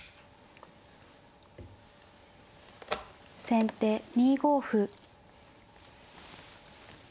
先手２五歩。